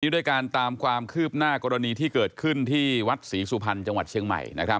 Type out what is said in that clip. ด้วยการตามความคืบหน้ากรณีที่เกิดขึ้นที่วัดศรีสุพรรณจังหวัดเชียงใหม่